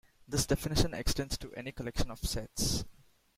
This definition extends to any collection of sets.